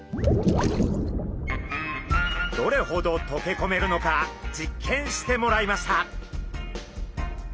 どれほど溶け込めるのか実験してもらいました。